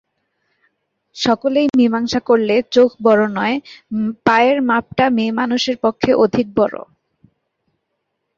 সকলেই মীমাংসা করলে, চোখ বড়ো নয়, পায়ের মাপটা মেয়েমানুষের পক্ষে অধিক বড়ো।